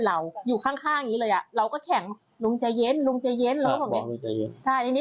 ลุงเจ๋ยนลุงเจ๋ยนลุงเจ๋ยน